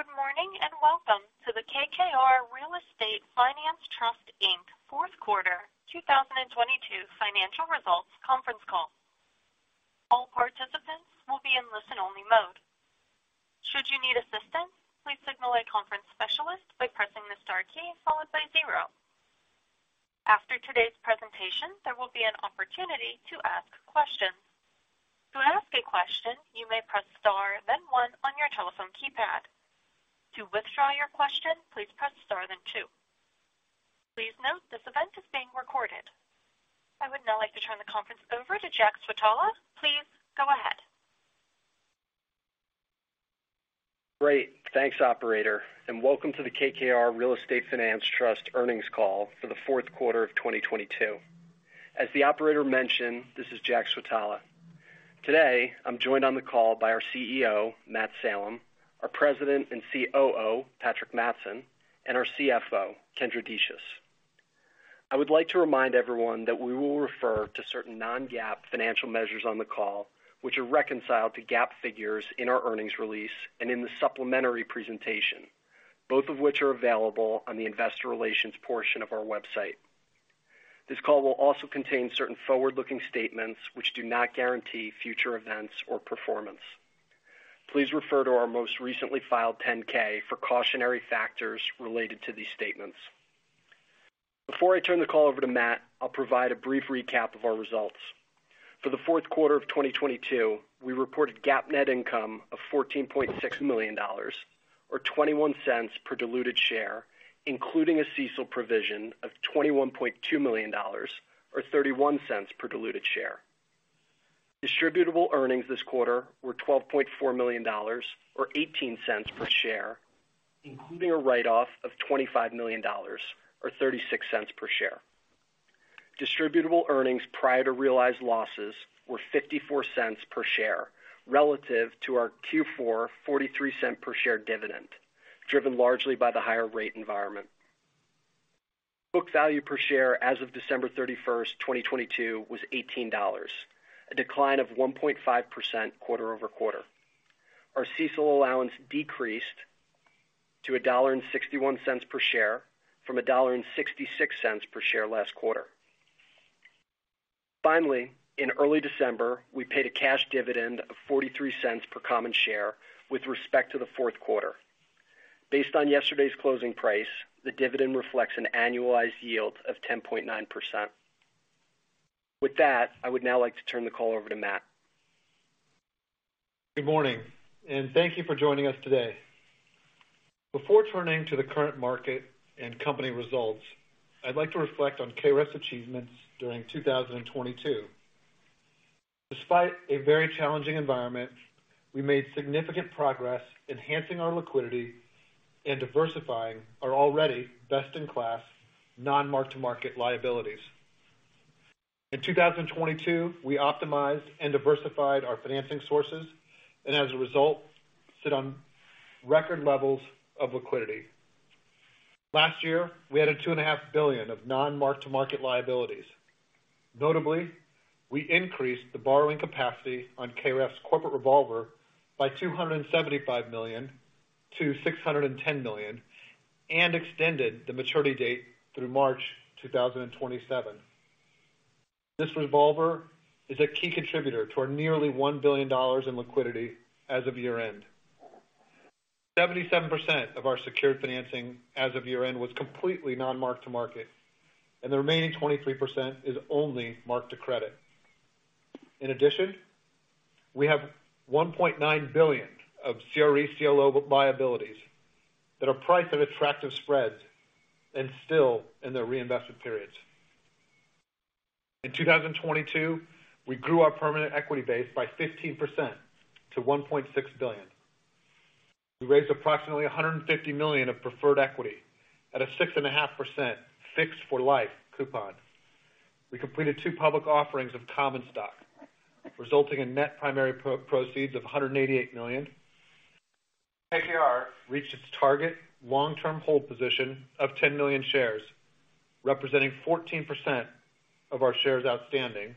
Good morning, and welcome to the KKR Real Estate Finance Trust Inc. fourth quarter 2022 financial results conference call. All participants will be in listen-only mode. Should you need assistance, please signal a conference specialist by pressing the star key followed by 0. After today's presentation, there will be an opportunity to ask questions. To ask a question, you may press Star then 1 on your telephone keypad. To withdraw your question, please press Star then 2. Please note this event is being recorded. I would now like to turn the conference over to Jack Switala. Please go ahead. Great. Thanks, operator, and welcome to the KKR Real Estate Finance Trust earnings call for the 4th quarter of 2022. As the operator mentioned, this is Jack Switala. Today, I'm joined on the call by our CEO, Matt Salem, our President and COO, Patrick Mattson, and our CFO, Kendra Decious. I would like to remind everyone that we will refer to certain non-GAAP financial measures on the call, which are reconciled to GAAP figures in our earnings release and in the supplementary presentation, both of which are available on the investor relations portion of our website. This call will also contain certain forward-looking statements which do not guarantee future events or performance. Please refer to our most recently filed 10-K for cautionary factors related to these statements. Before I turn the call over to Matt, I'll provide a brief recap of our results. For the fourth quarter of 2022, we reported GAAP net income of $14.6 million or $0.21 per diluted share, including a CECL provision of $21.2 million or $0.31 per diluted share. Distributable earnings this quarter were $12.4 million or $0.18 per share, including a write-off of $25 million or $0.36 per share. Distributable earnings prior to realized losses were $0.54 per share relative to our Q4 $0.43 per share dividend, driven largely by the higher rate environment. Book value per share as of December 31, 2022 was $18, a decline of 1.5% quarter-over-quarter. Our CECL allowance decreased to $1.61 per share from $1.66 per share last quarter. Finally, in early December, we paid a cash dividend of $0.43 per common share with respect to the fourth quarter. Based on yesterday's closing price, the dividend reflects an annualized yield of 10.9%. With that, I would now like to turn the call over to Matt. Good morning, thank you for joining us today. Before turning to the current market and company results, I'd like to reflect on KREF's achievements during 2022. Despite a very challenging environment, we made significant progress enhancing our liquidity and diversifying our already best-in-class non-mark-to-market liabilities. In 2022, we optimized and diversified our financing sources, as a result, we sit on record levels of liquidity. Last year, we had $2.5 billion of non-mark-to-market liabilities. Notably, we increased the borrowing capacity on KREF's corporate revolver by $275 million to $610 million and extended the maturity date through March 2027. This revolver is a key contributor to our nearly $1 billion in liquidity as of year-end. 77% of our secured financing as of year-end was completely non-mark-to-market, and the remaining 23% is only mark-to-credit. In addition, we have $1.9 billion of CRE CLO liabilities that are priced at attractive spreads and still in their reinvestment periods. In 2022, we grew our permanent equity base by 15% to $1.6 billion. We raised approximately $150 million of preferred equity at a 6.5% fixed for life coupon. We completed two public offerings of common stock, resulting in net primary proceeds of $188 million. KKR reached its target long-term hold position of 10 million shares, representing 14% of our shares outstanding,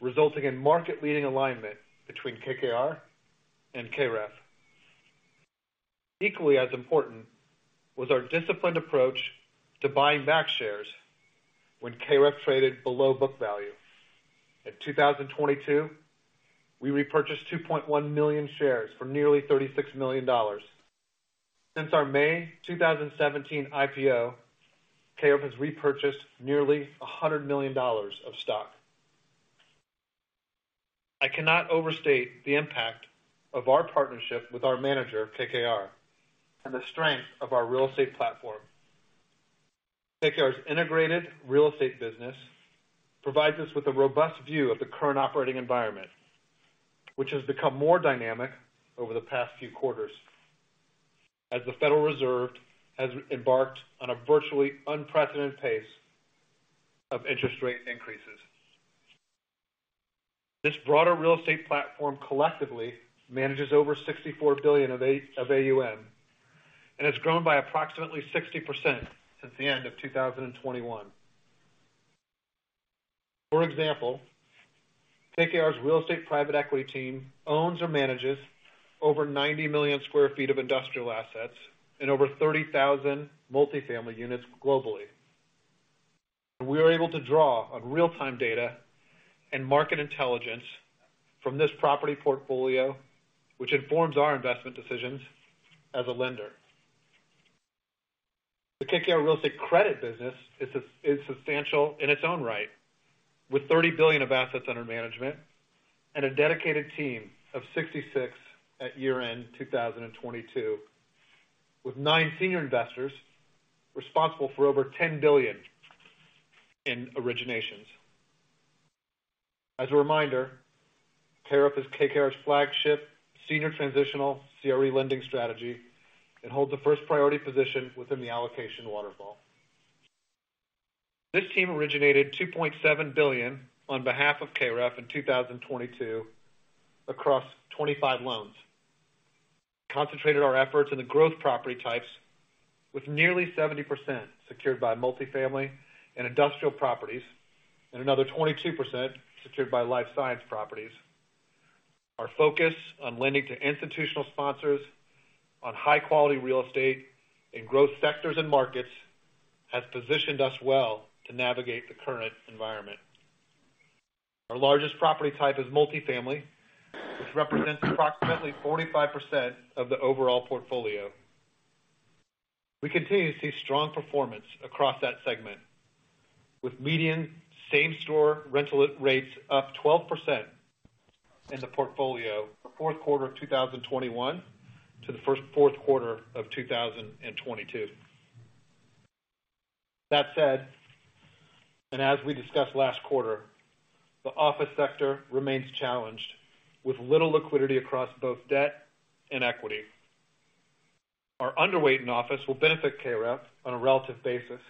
resulting in market-leading alignment between KKR and KREF. Equally as important was our disciplined approach to buying back shares when KREF traded below book value. In 2022, we repurchased 2.1 million shares for nearly $36 million. Since our May 2017 IPO, KREF has repurchased nearly $100 million of stock. I cannot overstate the impact of our partnership with our manager, KKR, and the strength of our real estate platform. KKR's integrated real estate business provides us with a robust view of the current operating environment, which has become more dynamic over the past few quarters as the Federal Reserve has embarked on a virtually unprecedented pace of interest rate increases. This broader real estate platform collectively manages over $64 billion of AUM and has grown by approximately 60% since the end of 2021. KKR's real estate private equity team owns or manages over 90 million sq ft of industrial assets and over 30,000 multifamily units globally. We are able to draw on real-time data and market intelligence from this property portfolio, which informs our investment decisions as a lender. The KKR real estate credit business is substantial in its own right with $30 billion of assets under management and a dedicated team of 66 at year-end 2022, with nine senior investors responsible for over $10 billion in originations. As a reminder, KREF is KKR's flagship senior transitional CRE lending strategy and holds the first priority position within the allocation waterfall. This team originated $2.7 billion on behalf of KREF in 2022 across 25 loans. Concentrated our efforts in the growth property types with nearly 70% secured by multifamily and industrial properties, and another 22% secured by life science properties. Our focus on lending to institutional sponsors on high quality real estate in growth sectors and markets has positioned us well to navigate the current environment. Our largest property type is multifamily, which represents approximately 45% of the overall portfolio. We continue to see strong performance across that segment, with median same-store rental rates up 12% in the portfolio for fourth quarter of 2021 to the first fourth quarter of 2022. That said, and as we discussed last quarter, the office sector remains challenged with little liquidity across both debt and equity. Our underweight in office will benefit KREF on a relative basis.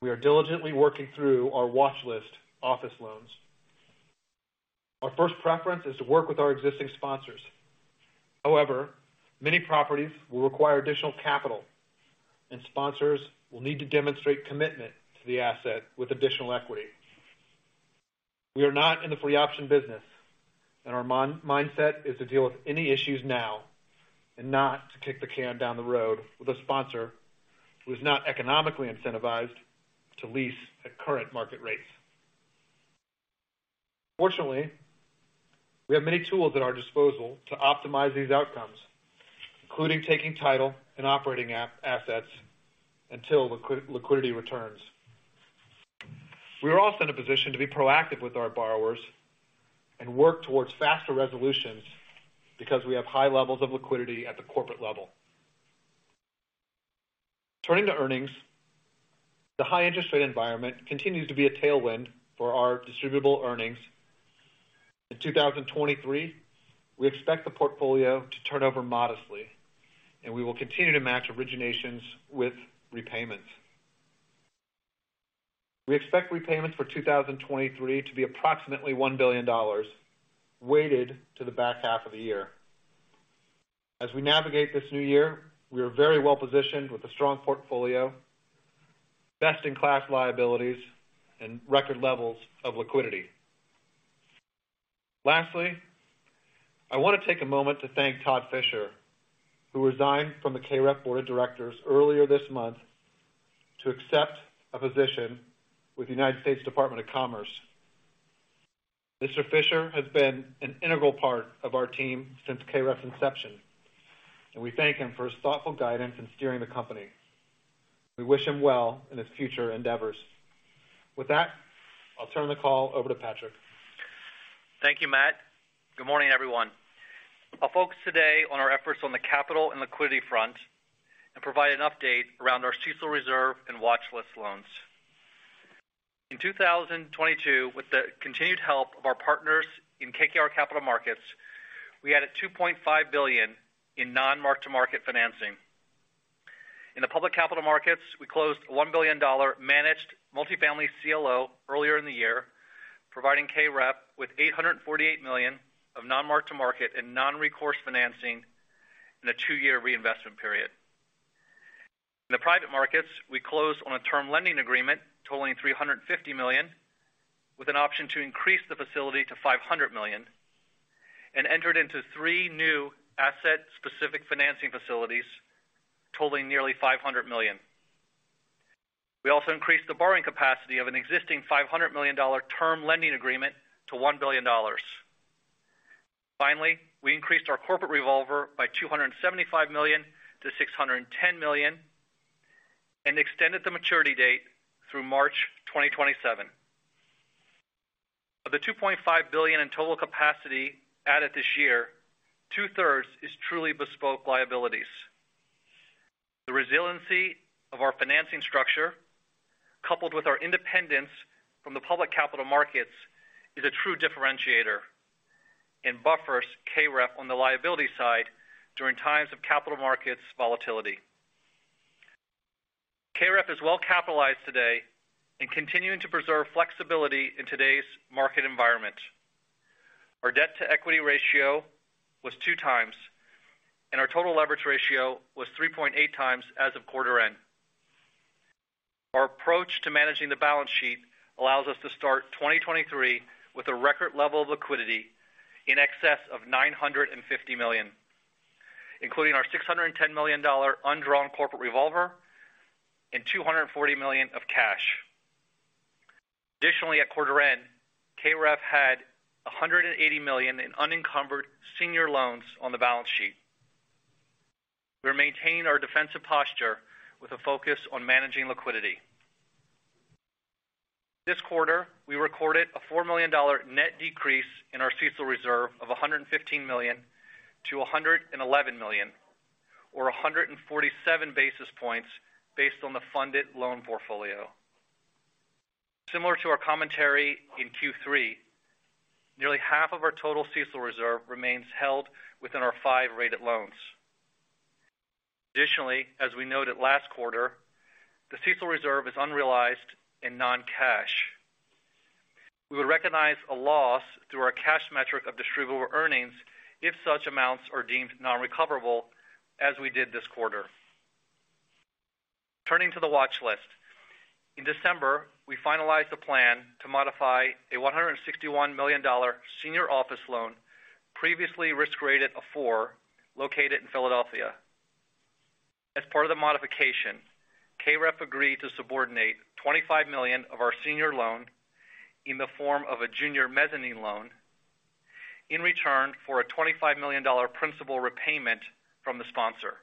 We are diligently working through our watch list office loans. Our first preference is to work with our existing sponsors. However, many properties will require additional capital and sponsors will need to demonstrate commitment to the asset with additional equity. Our mindset is to deal with any issues now and not to kick the can down the road with a sponsor who is not economically incentivized to lease at current market rates. Fortunately, we have many tools at our disposal to optimize these outcomes, including taking title and operating assets until liquidity returns. We are also in a position to be proactive with our borrowers and work towards faster resolutions because we have high levels of liquidity at the corporate level. Turning to earnings, the high interest rate environment continues to be a tailwind for our distributable earnings. In 2023, we expect the portfolio to turn over modestly and we will continue to match originations with repayments. We expect repayments for 2023 to be approximately $1 billion, weighted to the back half of the year. As we navigate this new year, we are very well-positioned with a strong portfolio, best-in-class liabilities, and record levels of liquidity. Lastly, I wanna take a moment to thank Todd Fisher, who resigned from the KREF board of directors earlier this month to accept a position with the United States Department of Commerce. Mr. Fisher has been an integral part of our team since KREF's inception. We thank him for his thoughtful guidance in steering the company. We wish him well in his future endeavors. With that, I'll turn the call over to Patrick. Thank you, Matt. Good morning, everyone. I'll focus today on our efforts on the capital and liquidity front and provide an update around our CECL reserve and watchlist loans. In 2022, with the continued help of our partners in KKR Capital Markets, we added $2.5 billion in non-mark-to-market financing. In the public capital markets, we closed a $1 billion managed multifamily CLO earlier in the year, providing KREF with $848 million of non-mark-to-market and non-recourse financing in a two-year reinvestment period. In the private markets, we closed on a term loan agreement totaling $350 million, with an option to increase the facility to $500 million, and entered into three new asset-specific financing facilities totaling nearly $500 million. We also increased the borrowing capacity of an existing $500 million term loan agreement to $1 billion. Finally, we increased our corporate revolver by $275 million to $610 million and extended the maturity date through March 2027. Of the $2.5 billion in total capacity added this year, two-thirds is truly bespoke liabilities. The resiliency of our financing structure, coupled with its independence from the public capital markets, is a true differentiator and buffers KREF on the liability side during times of capital markets volatility. KREF is well capitalized today and continuing to preserve flexibility in today's market environment. Our debt to equity ratio was 2x and our total leverage ratio was 3.8x as of quarter end. Our approach to managing the balance sheet allows us to start 2023 with a record level of liquidity in excess of $950 million, including our $610 million undrawn corporate revolver and $240 million of cash. Additionally, at quarter end, KREF had $180 million in unencumbered senior loans on the balance sheet. We maintain our defensive posture with a focus on managing liquidity. This quarter, we recorded a $4 million net decrease in our CECL reserve of $115 million to $111 million or 147 basis points based on the funded loan portfolio. Similar to our commentary in Q3, nearly half of our total CECL reserve remains held within our 5 rated loans. Additionally, as we noted last quarter, the CECL reserve is unrealized in non-cash. We would recognize a loss through our cash metric of distributable earnings if such amounts are deemed non-recoverable as we did this quarter. Turning to the watch list. In December, we finalized a plan to modify a $161 million senior office loan previously risk-rated a 4 located in Philadelphia. As part of the modification, KREF agreed to subordinate $25 million of our senior loan in the form of a junior mezzanine loan in return for a $25 million principal repayment from the sponsor.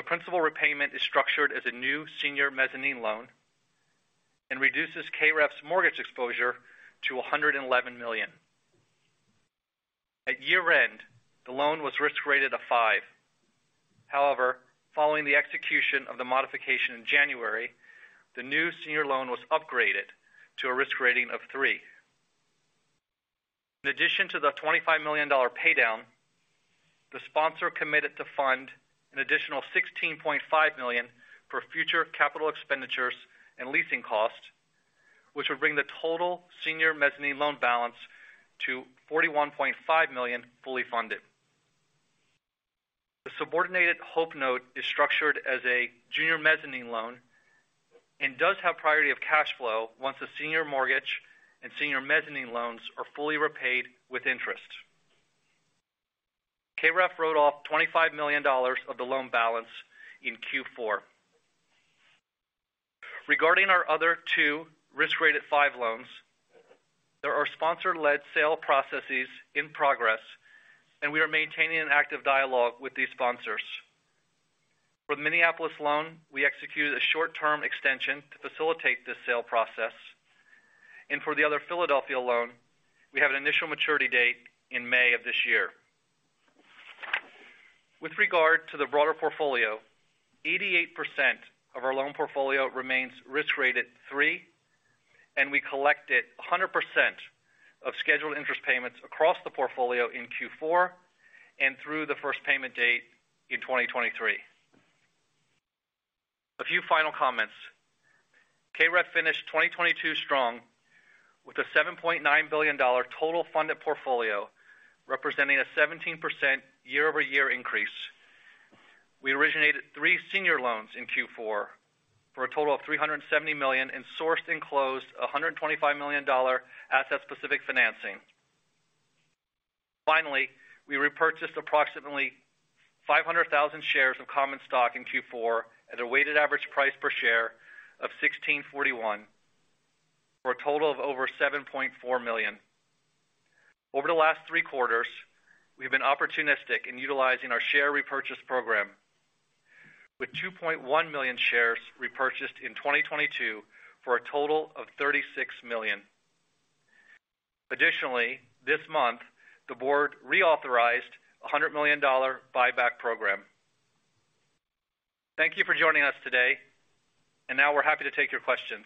The principal repayment is structured as a new senior mezzanine loan and reduces KREF's mortgage exposure to $111 million. At year-end, the loan was risk-rated a 5. Following the execution of the modification in January, the new senior loan was upgraded to a risk rating of 3. In addition to the $25 million pay down, the sponsor committed to fund an additional $16.5 million for future capital expenditures and leasing costs, which would bring the total senior mezzanine loan balance to $41.5 million fully funded. The subordinated HOPE note is structured as a junior mezzanine loan and does have priority of cash flow once the senior mortgage and senior mezzanine loans are fully repaid with interest. KREF wrote off $25 million of the loan balance in Q4. Regarding our other two risk-rated 5 loans, there are sponsor-led sale processes in progress, and we are maintaining an active dialogue with these sponsors. For the Minneapolis loan, we executed a short-term extension to facilitate this sale process. For the other Philadelphia loan, we have an initial maturity date in May of this year. With regard to the broader portfolio, 88% of our loan portfolio remains risk-rated 3. We collected 100% of scheduled interest payments across the portfolio in Q4 and through the first payment date in 2023. A few final comments. KREF finished 2022 strong with a $7.9 billion total funded portfolio, representing a 17% year-over-year increase. We originated 3 senior loans in Q4 for a total of $370 million and sourced and closed a $125 million asset-specific financing. Finally, we repurchased approximately 500,000 shares of common stock in Q4 at a weighted average price per share of $16.41 for a total of over $7.4 million. Over the last three quarters, we've been opportunistic in utilizing our share repurchase program with 2.1 million shares repurchased in 2022 for a total of $36 million. Additionally, this month, the board reauthorized a $100 million buyback program. Thank you for joining us today. Now we're happy to take your questions.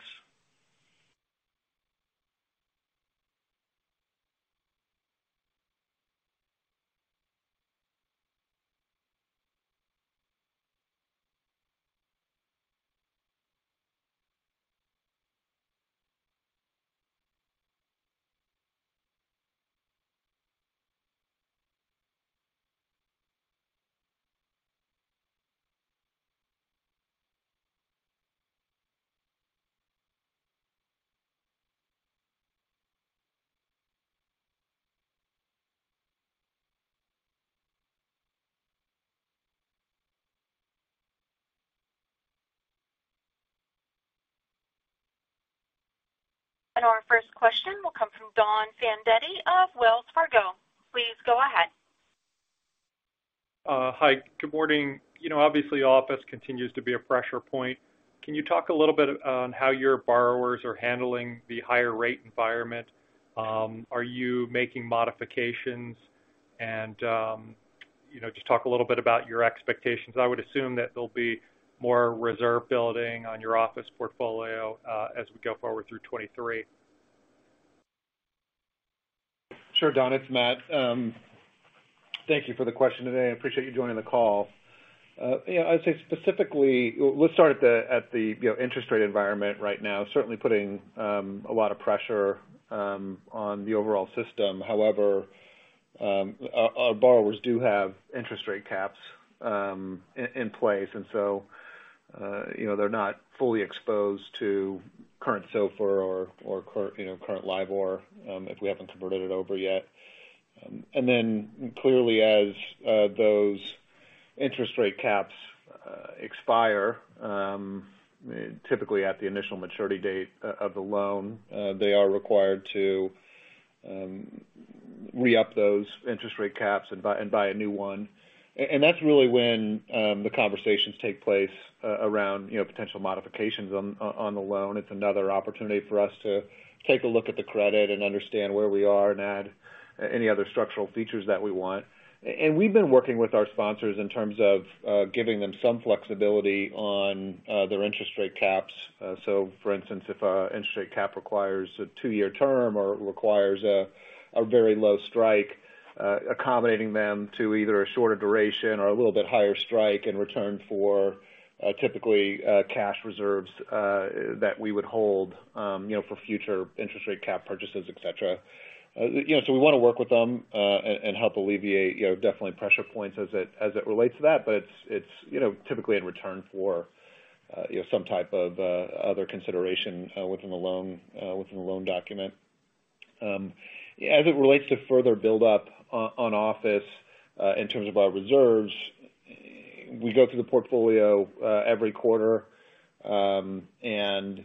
Our first question will come from Don Fandetti of Wells Fargo. Please go ahead. Hi. Good morning. Obviously, office continues to be a pressure point. Can you talk a little bit on how your borrowers are handling the higher rate environment? Are you making modifications? Just talk a little bit about your expectations. I would assume that there'll be more reserve building on your office portfolio as we go forward through 2023. Sure, Don. It's Matt. Thank you for the question today. I appreciate you joining the call. I would say specifically, let's start at the interest rate environment right now. Certainly putting a lot of pressure on the overall system. However, our borrowers do have interest rate caps in place they're not fully exposed to current SOFR or current LIBOR if we haven't converted it over yet. Clearly as those interest rate caps expire, typically at the initial maturity date of the loan, they are required to re-up those interest rate caps and buy a new one. That's really when the conversations take place around potential modifications on the loan. It's another opportunity for us to take a look at the credit and understand where we are and add any other structural features that we want. We've been working with our sponsors in terms of giving them some flexibility on their interest rate caps. For instance, if a interest rate cap requires a 2-year term or requires a very low strike, accommodating them to either a shorter duration or a little bit higher strike in return for, typically, cash reserves that we would hold for future interest rate cap purchases, et cetera. We wanna work with them and help alleviate definitely pressure points as it, as it relates to that. It's typically in return for some type of other consideration within the loan, within the loan document. As it relates to further build up on office, in terms of our reserves, we go through the portfolio every quarter, and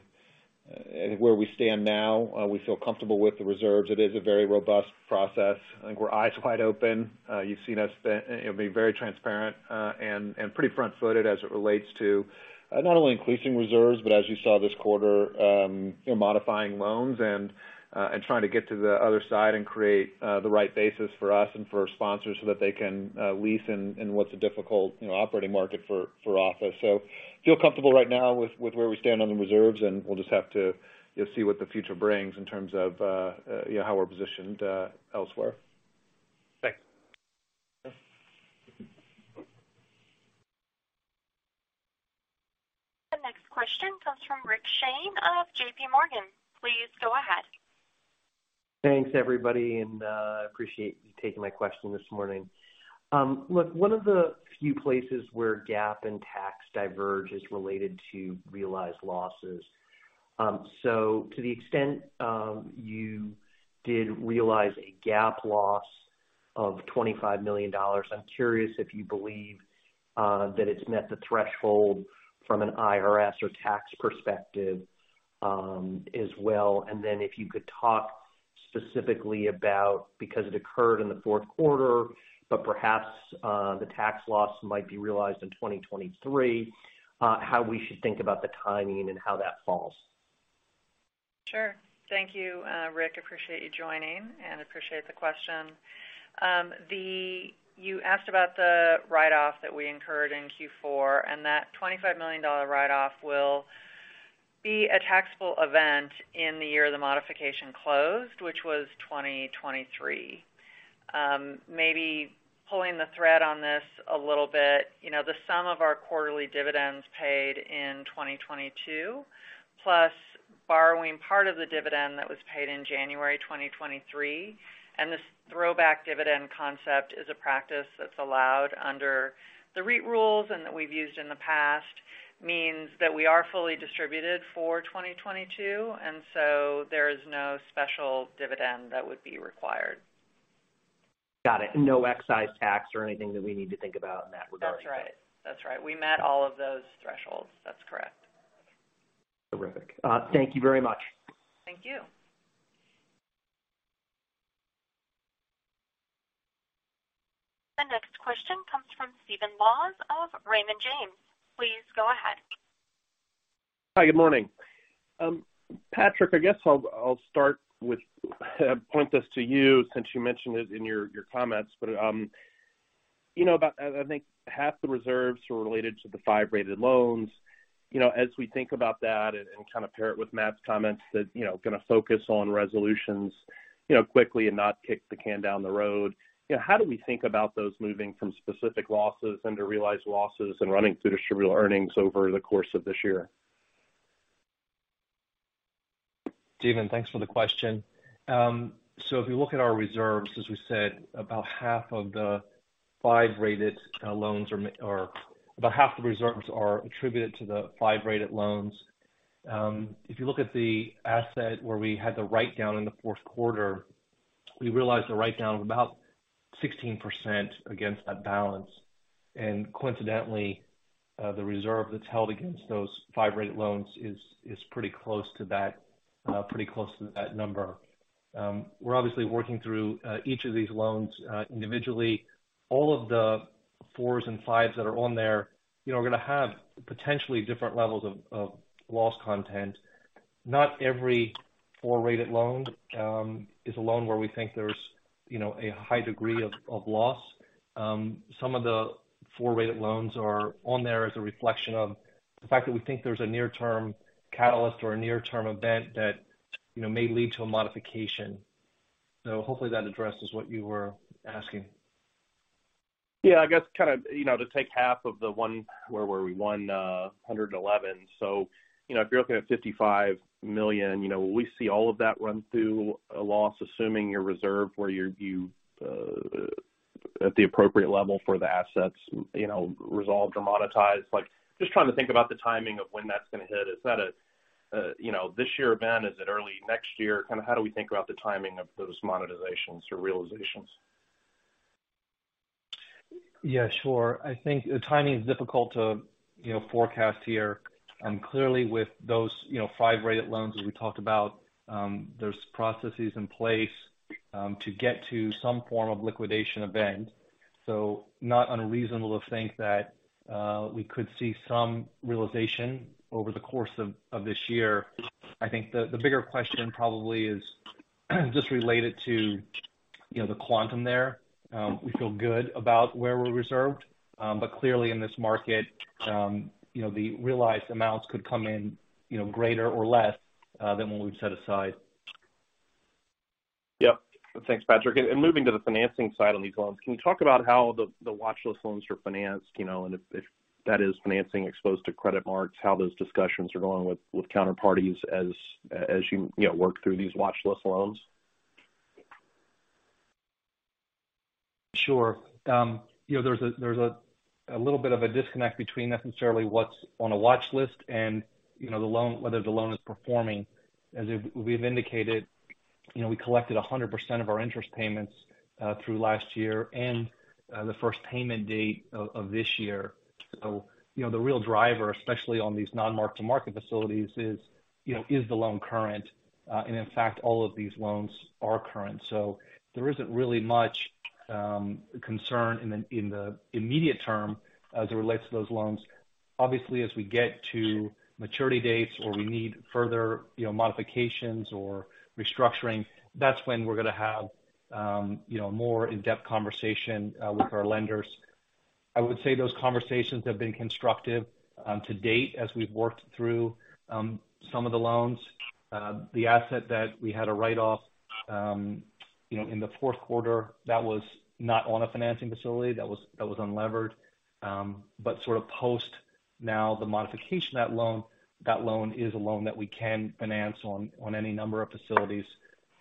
where we stand now, we feel comfortable with the reserves. It is a very robust process. I think we're eyes wide open. You've seen us be very transparent, and pretty front-footed as it relates to not only increasing reserves, but as you saw this quarter modifying loans and trying to get to the other side and create the right basis for us and for our sponsors so that they can lease in what's a difficult operating market for office. Feel comfortable right now with where we stand on the reserves, and we'll just have to see what the future brings in terms of how we're positioned elsewhere. Thanks. The next question comes from Rick Shane of J.P. Morgan. Please go ahead. Thanks, everybody, and appreciate you taking my question this morning. Look, one of the few places where GAAP and tax diverge is related to realized losses. To the extent, you did realize a GAAP loss of $25 million, I'm curious if you believe that it's met the threshold from an IRS or tax perspective, as well. If you could talk specifically about because it occurred in the fourth quarter, but perhaps, the tax loss might be realized in 2023, how we should think about the timing and how that falls. Sure. Thank you, Rick. Appreciate you joining and appreciate the question. You asked about the write-off that we incurred in Q4, that $25 million write-off will be a taxable event in the year the modification closed, which was 2023. Maybe pulling the thread on this a little bit. The sum of our quarterly dividends paid in 2022 plus borrowing part of the dividend that was paid in January 2023, this throwback dividend concept is a practice that's allowed under the REIT rules and that we've used in the past, means that we are fully distributed for 2022, there is no special dividend that would be required. Got it. No excise tax or anything that we need to think about in that regard. That's right. We met all of those thresholds. That's correct. Terrific. Thank you very much. Thank you. The next question comes from Stephen Laws of Raymond James. Please go ahead. Hi, good morning. Patrick, I'll point this to you since you mentioned it in your comments. You know about, I think half the reserves are related to the 5-rated loans. As we think about that and pair it with Matt's comments that gonna focus on resolutions quickly and not kick the can down the road how do we think about those moving from specific losses under realized losses and running through distributable earnings over the course of this year? Stephen, thanks for the question. If you look at our reserves, as we said, about half of the five-rated loans or about half the reserves are attributed to the five-rated loans. If you look at the asset where we had the write-down in the fourth quarter, we realized a write-down of about 16% against that balance. Coincidentally, the reserve that's held against those five-rated loans is pretty close to that, pretty close to that number. We're obviously working through each of these loans individually. All of the fours and fives that are on there are gonna have potentially different levels of loss content. Not every four-rated loan is a loan where we think there's a high degree of loss. Some of the 4-rated loans are on there as a reflection of the fact that we think there's a near-term catalyst or a near-term event that may lead to a modification. Hopefully that addresses what you were asking. To take half of the one, where were we? 111. If you're looking at $55 million will we see all of that run through a loss, assuming your reserve where you at the appropriate level for the assets resolved or monetized. Like, just trying to think about the timing of when that's gonna hit. Is that a this year event? Is it early next year? Kinda how do we think about the timing of those monetizations or realizations? Sure. I think the timing is difficult to forecast here. Clearly with those five rated loans that we talked about, there's processes in place to get to some form of liquidation event. Not unreasonable to think that we could see some realization over the course of this year. I think the bigger question probably is just related to the quantum there. We feel good about where we're reserved. Clearly in this market, the realized amounts could come in greater or less than what we've set aside. Yep. Thanks, Patrick. Moving to the financing side on these loans, can you talk about how the watchlist loans are financed and if that is financing exposed to credit marks, how those discussions are going with counterparties as work through these watchlist loans? Sure. There's a little bit of a disconnect between necessarily what's on a watchlist and whether the loan is performing. As we've indicated we collected 100% of our interest payments through last year and the first payment date of this year. The real driver, especially on these non-mark-to-market facilities is the loan current. And in fact, all of these loans are current. There isn't really much concern in the immediate term as it relates to those loans. Obviously, as we get to maturity dates or we need further modifications or restructuring, that's when we're gonna have more in-depth conversation with our lenders. I would say those conversations have been constructive to date as we've worked through some of the loans. The asset that we had a write-off in the fourth quarter, that was not on a financing facility. That was unlevered. Post now the modification of that loan, that loan is a loan that we can finance on any number of facilities.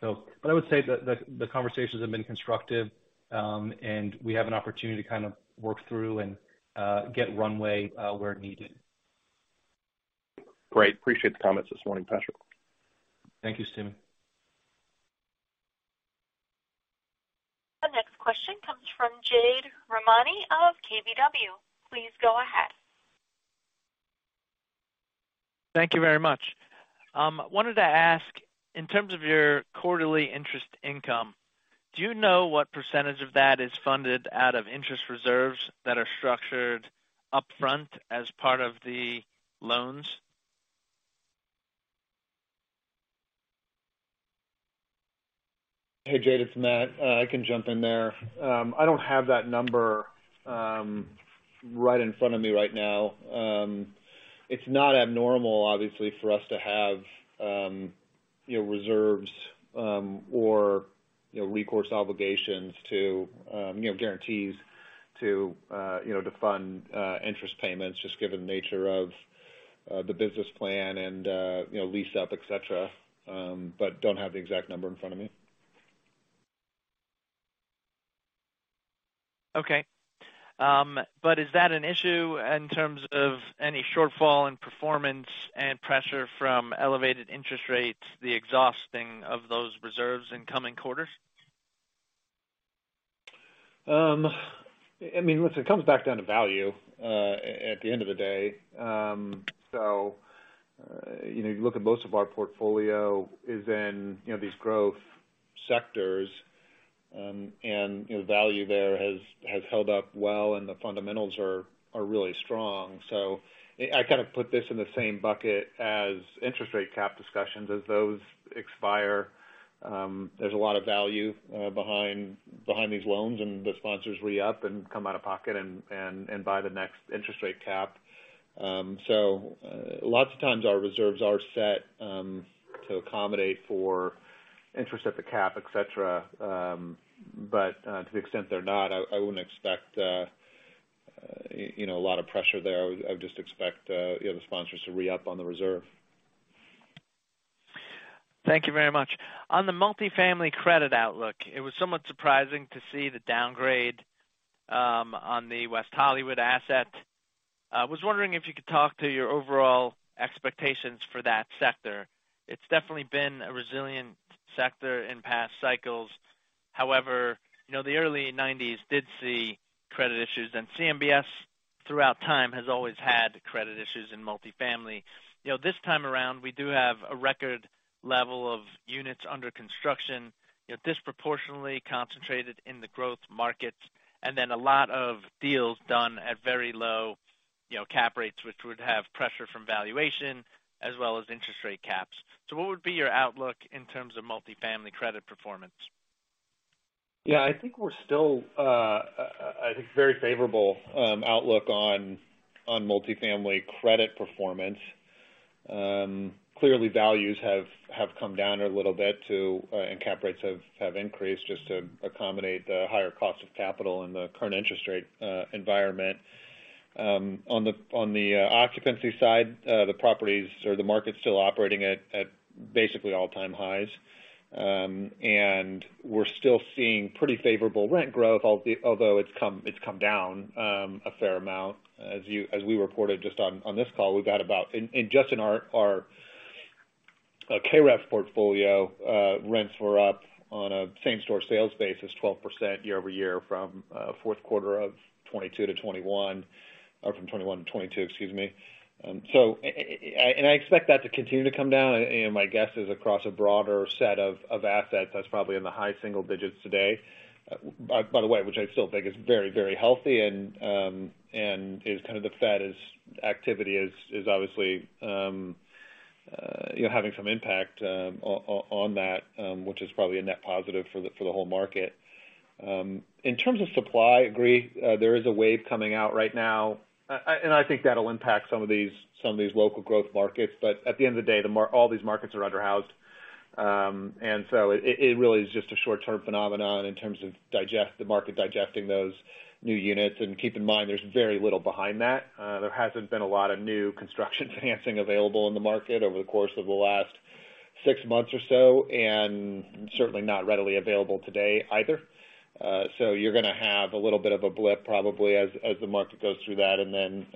I would say the conversations have been constructive, and we have an opportunity to work through and get runway where needed. Great. Appreciate the comments this morning, Patrick. Thank you, Stephen. The next question comes from Jade Rahmani of KBW. Please go ahead. Thank you very much. Wanted to ask, in terms of your quarterly interest income, do you know what % of that is funded out of interest reserves that are structured upfront as part of the loans? Jade, it's Matt. I can jump in there. I don't have that number right in front of me right now. It's not abnormal, obviously, for us to have reserves, or, recourse obligations to guarantees to fund interest payments, just given the nature of the business plan and lease up, et cetera. Don't have the exact number in front of me. Okay. Is that an issue in terms of any shortfall in performance and pressure from elevated interest rates, the exhausting of those reserves in coming quarters? Listen, it comes back down to value at the end of the day. You look at most of our portfolio is in these growth sectors. Value there has held up well, and the fundamentals are really strong. I put this in the same bucket as interest rate cap discussions. As those expire, there's a lot of value behind these loans, and the sponsors re-up and come out of pocket and buy the next interest rate cap. Lots of times our reserves are set to accommodate for interest at the cap, et cetera. To the extent they're not, I wouldn't expect a lot of pressure there. I would just expect the sponsors to re-up on the reserve. Thank you very much. On the multifamily credit outlook, it was somewhat surprising to see the downgrade on the West Hollywood asset. I was wondering if you could talk to your overall expectations for that sector. It's definitely been a resilient sector in past cycles. However, the early 90s did see credit issues, and CMBS throughout time has always had credit issues in multifamily. This time around, we do have a record level of units under construction disproportionately concentrated in the growth markets, and then a lot of deals done at very low cap rates, which would have pressure from valuation as well as interest rate caps. What would be your outlook in terms of multifamily credit performance? Yeah, I think we're still very favorable outlook on multifamily credit performance. Clearly values have come down a little bit to, and cap rates have increased just to accommodate the higher cost of capital in the current interest rate environment. On the occupancy side, the properties or the market's still operating at basically all-time highs. We're still seeing pretty favorable rent growth, although it's come down a fair amount. As we reported just on this call, just in our KREF portfolio, rents were up on a same-store sales basis 12% year-over-year from fourth quarter of 2022 to 2021, or from 2021 to 2022, excuse me. I expect that to continue to come down. My guess is across a broader set of assets that's probably in the high single digits today. By the way, which I still think is very, very healthy and is kind of the Fed is activity is obviously, having some impact on that, which is probably a net positive for the whole market. In terms of supply, agree, there is a wave coming out right now. I think that'll impact some of these, some of these local growth markets. At the end of the day, all these markets are underhoused. It really is just a short-term phenomenon in terms of the market digesting those new units. Keep in mind, there's very little behind that. There hasn't been a lot of new construction financing available in the market over the course of the last 6 months or so, and certainly not readily available today either. You're gonna have a little bit of a blip probably as the market goes through that, and then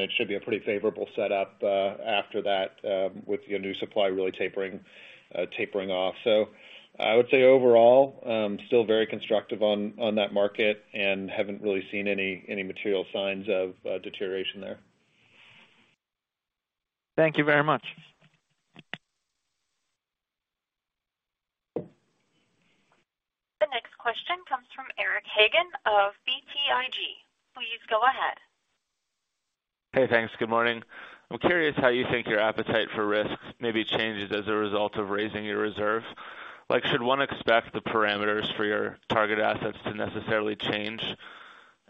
it should be a pretty favorable setup after that, with your new supply really tapering off. I would say overall, still very constructive on that market and haven't really seen any material signs of deterioration there. Thank you very much. The next question comes from Eric Hagen of BTIG. Please go ahead. Thanks. Good morning. I'm curious how you think your appetite for risk may be changed as a result of raising your reserve. Like, should one expect the parameters for your target assets to necessarily change?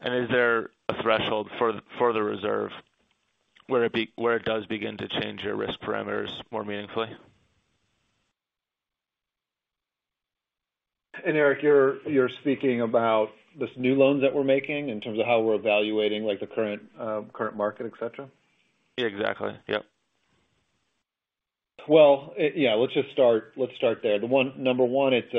Is there a threshold for the reserve where it does begin to change your risk parameters more meaningfully? Eric, you're speaking about this new loans that we're making in terms of how we're evaluating, like, the current market, et cetera? Yeah, exactly. Yep. Yeah, let's just start there. Number one, it's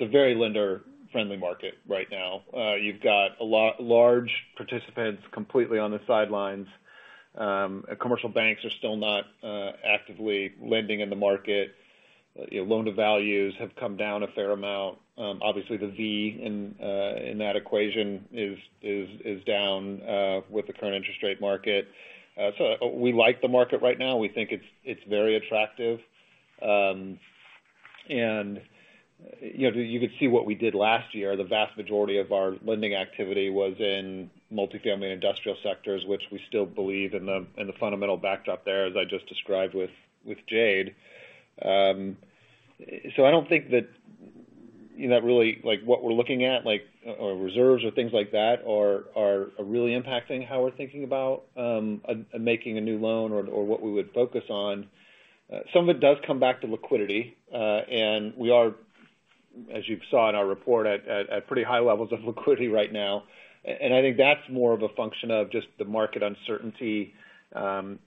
a very lender-friendly market right now. You've got large participants completely on the sidelines. Commercial banks are still not actively lending in the market. Loan to values have come down a fair amount. Obviously the V in that equation is down with the current interest rate market. We like the market right now. We think it's very attractive. You could see what we did last year. The vast majority of our lending activity was in multifamily industrial sectors, which we still believe in the fundamental backdrop there, as I just described with Jade. I don't think that really like what we're looking at, like, or reserves or things like that are really impacting how we're thinking about making a new loan or what we would focus on. Some of it does come back to liquidity, and we are, as you saw in our report, at pretty high levels of liquidity right now. I think that's more of a function of just the market uncertainty, and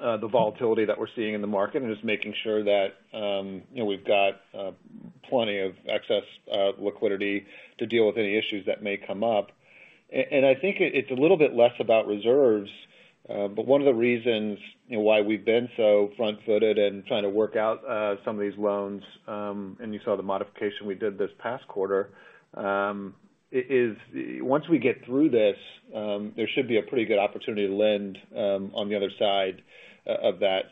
the volatility that we're seeing in the market and just making sure that we've got plenty of excess liquidity to deal with any issues that may come up. I think it's a little bit less about reserves, but one of the reasons why we've been so front-footed and trying to work out some of these loans, and you saw the modification we did this past quarter, is once we get through this, there should be a pretty good opportunity to lend on the other side of that.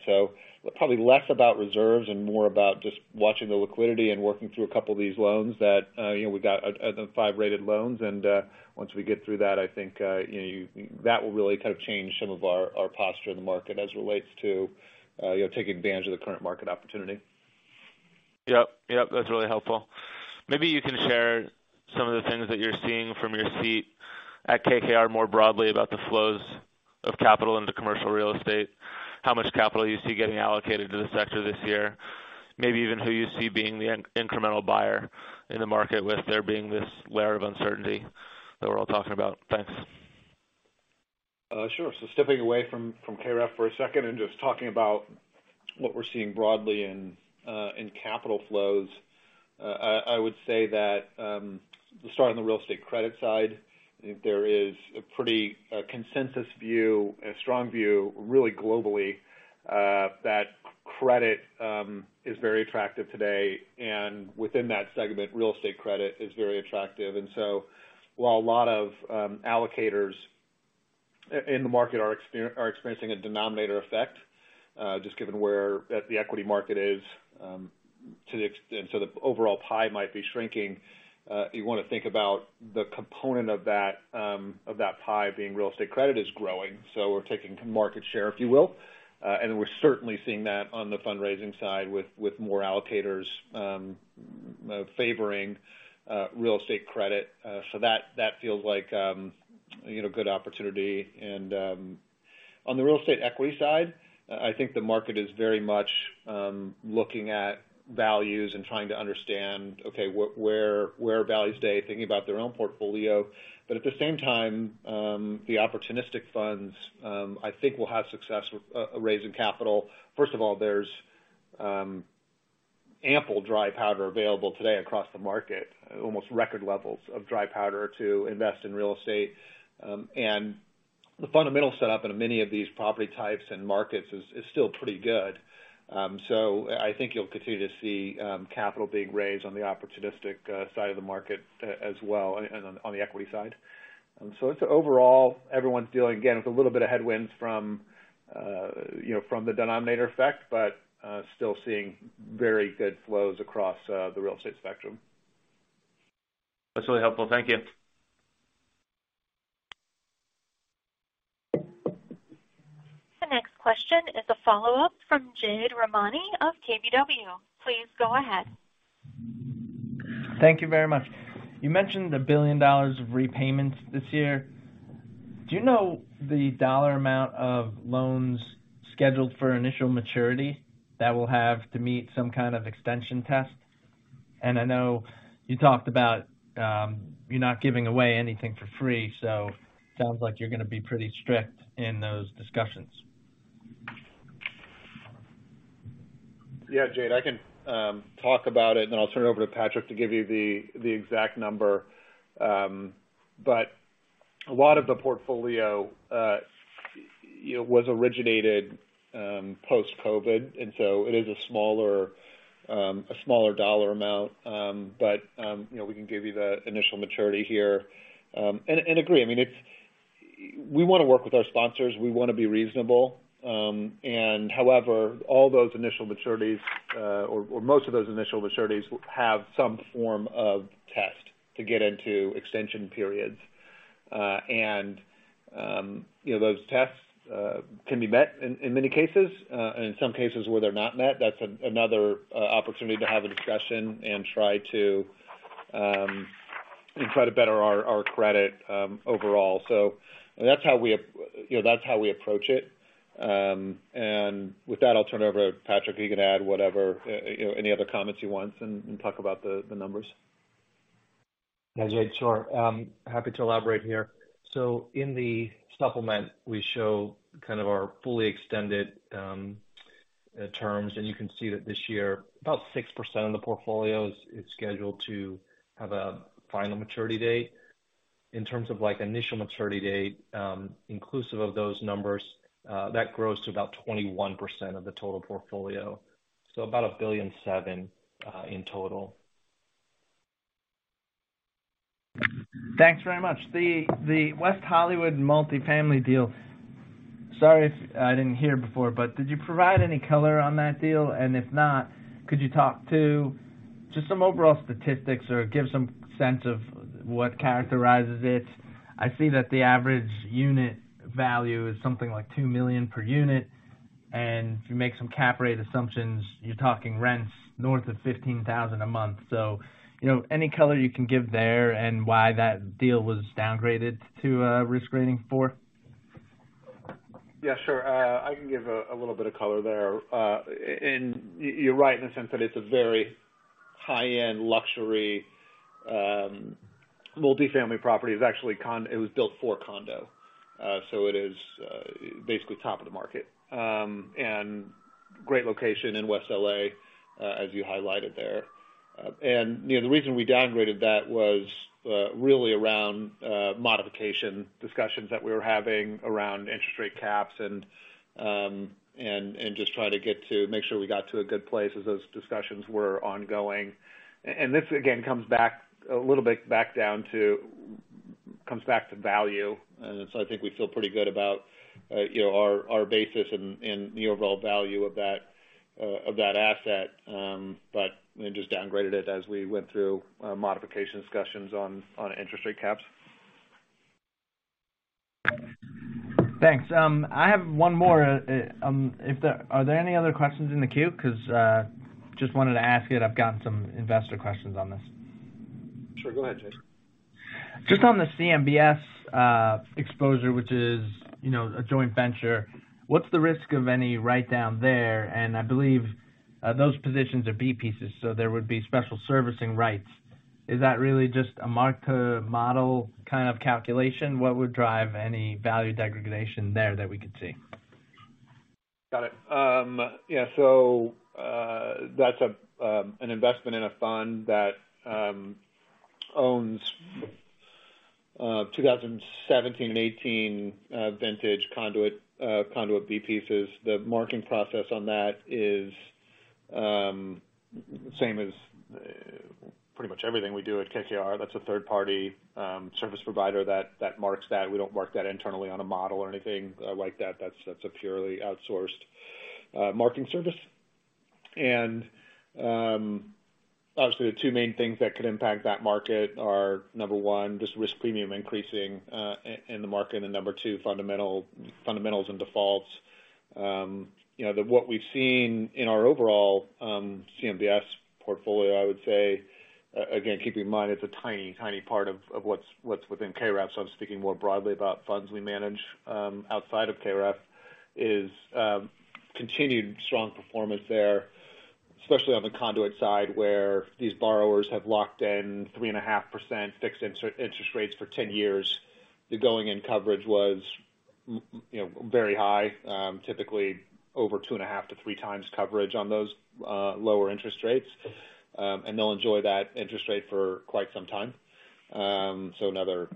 Probably less about reserves and more about just watching the liquidity and working through a couple of these loans that we've got the 5 rated loans. Once we get through that, I think that will really change some of our posture in the market as it relates to taking advantage of the current market opportunity. Yep, that's really helpful. Maybe you can share some of the things that you're seeing from your seat at KKR more broadly about the flows of capital into commercial real estate, how much capital you see getting allocated to the sector this year, maybe even who you see being the incremental buyer in the market with there being this layer of uncertainty that we're all talking about. Thanks. Sure. Stepping away from KREF for a second and just talking about what we're seeing broadly in capital flows, I would say that, starting on the real estate credit side, I think there is a pretty consensus view, a strong view, really globally, that credit is very attractive today. Within that segment, real estate credit is very attractive. While a lot of allocators in the market are experiencing a denominator effect, just given where the equity market is, the overall pie might be shrinking. You wanna think about the component of that pie being real estate credit is growing, so we're taking market share, if you will. We're certainly seeing that on the fundraising side with more allocators favoring real estate credit. That feels like good opportunity. On the real estate equity side, I think the market is very much looking at values and trying to understand, okay, where value stay, thinking about their own portfolio. At the same time, the opportunistic funds, I think will have success with raising capital. First of all, there's ample dry powder available today across the market, almost record levels of dry powder to invest in real estate. The fundamental setup in many of these property types and markets is still pretty good. I think you'll continue to see capital being raised on the opportunistic side of the market as well and on the equity side. It's overall, everyone's dealing, again, with a little bit of headwinds from the denominator effect, but still seeing very good flows across the real estate spectrum. That's really helpful. Thank you. The next question is a follow-up from Jade Rahmani of KBW. Please go ahead. Thank you very much. You mentioned $1 billion of repayments this year. Do you know the dollar amount of loans scheduled for initial maturity that will have to meet some kind of extension test? I know you talked about, you're not giving away anything for free, so sounds like you're gonna be pretty strict in those discussions. Jade, I can talk about it, and then I'll turn it over to Patrick to give you the exact number. But a lot of the portfolio was originated post-COVID, and so it is a smaller dollar amount. But, we can give you the initial maturity here. And agree it's. We wanna work with our sponsors, we wanna be reasonable. However, all those initial maturities or most of those initial maturities have some form of test to get into extension periods. And those tests can be met in many cases. And in some cases where they're not met, that's another opportunity to have a discussion and try to better our credit overall. That's how we approach it. With that, I'll turn it over to Patrick. He can add whatever any other comments he wants and talk about the numbers. Yeah, Jade, sure. Happy to elaborate here. In the supplement, we show our fully extended terms. You can see that this year, about 6% of the portfolio is scheduled to have a final maturity date. In terms of, like, initial maturity date, inclusive of those numbers, that grows to about 21% of the total portfolio, so about $1.7 billion in total. Thanks very much. The West Hollywood multifamily deal. Sorry if I didn't hear before, did you provide any color on that deal? If not, could you talk to just some overall statistics or give some sense of what characterizes it? I see that the average unit value is something like $2 million per unit, and if you make some cap rate assumptions, you're talking rents north of $15,000 a month. Any color you can give there and why that deal was downgraded to a risk rating four? Yeah, sure. I can give a little bit of color there. You're right in the sense that it's a very high-end luxury multifamily property. It was actually built for condo. It is basically top of the market and great location in West L.A. as you highlighted there. The reason we downgraded that was really around modification discussions that we were having around interest rate caps and just trying to get to make sure we got to a good place as those discussions were ongoing. This, again, comes back a little bit down to, comes back to value. I think we feel pretty good about our basis and the overall value of that asset. We just downgraded it as we went through modification discussions on interest rate caps. Thanks. I have one more. Are there any other questions in the queue? Just wanted to ask it. I've gotten some investor questions on this. Sure, go ahead, Jade. Just on the CMBS exposure, which is a joint venture, what's the risk of any write down there? I believe, those positions are B pieces, so there would be special servicing rights. Is that really just a mark-to-model calculation? What would drive any value degradation there that we could see? Got it. That's an investment in a fund that owns 2017 and 2018 vintage conduit B pieces. The marking process on that is same as pretty much everything we do at KKR. That's a third party service provider that marks that. We don't mark that internally on a model or anything like that. That's a purely outsourced marking service. Obviously, the two main things that could impact that market are, number one, just risk premium increasing in the market, and number two, fundamentals and defaults. What we've seen in our overall CMBS portfolio, I would say, again, keeping in mind it's a tiny part of what's within KREF, so I'm speaking more broadly about funds we manage outside of KREF, is continued strong performance there, especially on the conduit side, where these borrowers have locked in 3.5% fixed interest rates for 10 years. The going-in coverage was very high, typically over 2.5-3 times coverage on those lower interest rates. They'll enjoy that interest rate for quite some time. Another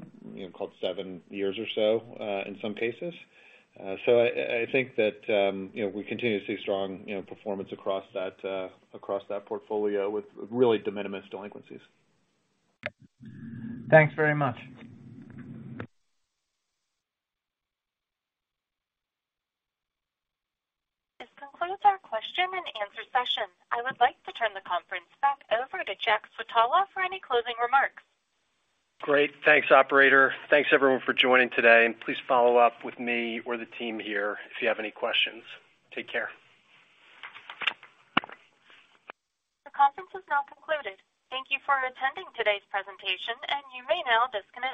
call it 7 years or so in some cases. I think that we continue to see strong performance across that, across that portfolio with really de minimis delinquencies. Thanks very much. This concludes our question and answer session. I would like to turn the conference back over to Jack Switala for any closing remarks. Great. Thanks, operator. Thanks, everyone, for joining today. Please follow up with me or the team here if you have any questions. Take care. The conference is now concluded. Thank you for attending today's presentation. You may now disconnect.